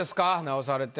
直されて。